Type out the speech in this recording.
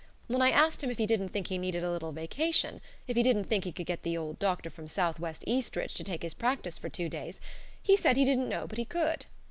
When I asked him if he didn't think he needed a little vacation, if he didn't think he could get the old doctor from Southwest Eastridge to take his practice for two days, he said he didn't know but he could.